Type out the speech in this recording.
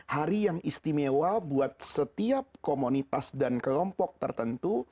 hari yang istimewa buat setiap komunitas dan kelompok tertentu